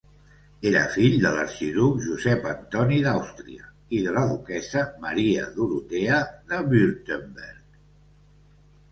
Era fill de l'arxiduc Josep Antoni d'Àustria i de la duquessa Maria Dorotea de Württemberg.